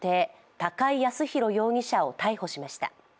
高井靖弘容疑者を逮捕しました。